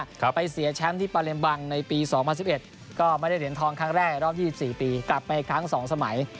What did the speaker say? ไปเสียแชมป์ที่ปาเลมบังในปีสองพันสิบเอ็ดก็ไม่ได้เหรียญทองครั้งแรกในรอบยี่สิบสี่ปีกลับไปอีกครั้งสองสมัย